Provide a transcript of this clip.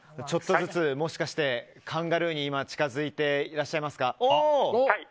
ちょっとずつ、もしかしてカンガルーに近づいていらっしゃいますか？